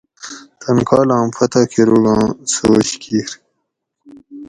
تن کالام فتح کۤروگاں سوچ کیر